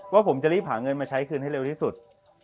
ว่าผมจะรีบหาเงินมาใช้คืนให้เร็วที่สุด